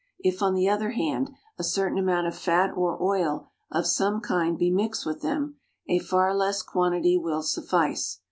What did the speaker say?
If, on the other hand, a certain amount of fat or oil of some kind be mixed with them, a far less quantity will suffice.